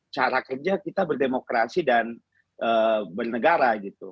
cara kerja kita berdemokrasi dan bernegara gitu